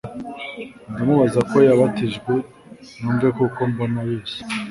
ndamubaza ko yabatijwe numve kuko mbona abeshya